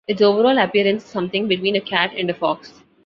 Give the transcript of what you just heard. Its overall appearance is something between a cat and a fox.